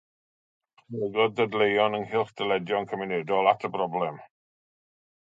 Ychwanegodd dadleuon ynghylch dyledion cymunedol at y broblem.